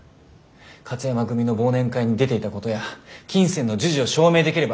勝山組の忘年会に出ていたことや金銭の授受を証明できれば。